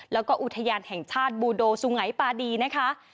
แล้วก็อุทยานแห่งชาติบูโดสุงัยปาดีนะคะ